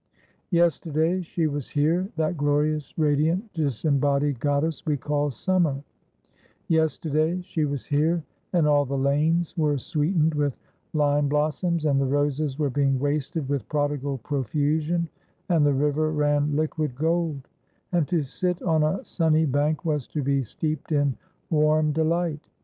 Yesterday she was here, that glorious, radiant, disembodied goddess we call Summer — yesterday she was here, and all the lanes were sweetened with lime blossoms, and the roses were being wasted with prodigal profusion, and the river ran liquid gold ; and to sit on a sunny bank was to be steeped in warm delight.